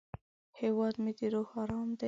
هیواد مې د روح ارام دی